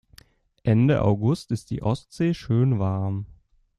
Ende August ist die Ostsee schön warm.